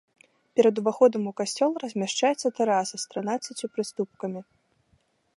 Перад уваходам у касцёл размяшчаецца тэраса з трынаццаццю прыступкамі.